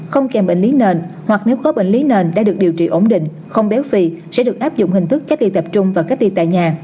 không kèm bệnh lý nền hoặc nếu có bệnh lý nền đã được điều trị ổn định không béo phì sẽ được áp dụng hình thức cách ly tập trung và cách ly tại nhà